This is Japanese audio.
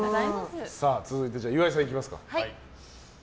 続いて、岩井さんいきますか。